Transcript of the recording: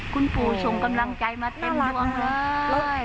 คุณปู่ส่งกำลังใจมาเต็มดวงเลย